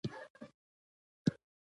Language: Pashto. دا یوازې ته وې یوازې ته.